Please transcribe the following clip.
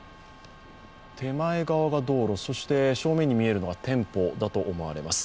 手前側が道路、正面に見えるのが店舗だと思われます。